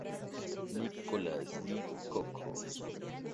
Nicolas Di Coco.